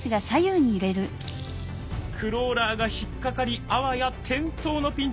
クローラーが引っ掛かりあわや転倒のピンチ！